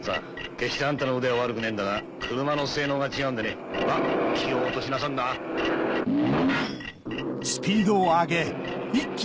決してあんたの腕は悪くねえんだが車の性能が違うんでねまぁ気を落としなさんなよう赤ずきんちゃん。